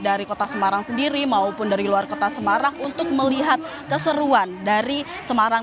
dari kota semarang sendiri maupun dari luar kota semarang untuk melihat keseruan dari semarang